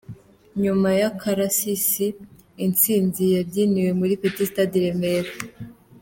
Nyuma y’akarasisi, Intsinzi yabyiniwe muri Petit Stade i Remera: